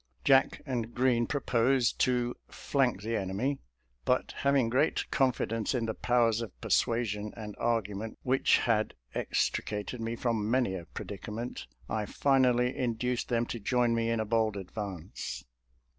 Jack and Green proposed to " flank the en emy," but having great confldence in the powers of persuasion and argument which had extri cated me from many a predicament, I flnally induced them to join me in a bold advance.